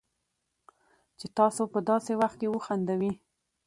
چې تاسو په داسې وخت کې وخندوي